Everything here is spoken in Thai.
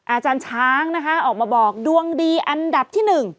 อาจารย์ช้างนะคะออกมาบอกดวงดีอันดับที่๑